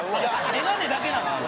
眼鏡だけなんですよ。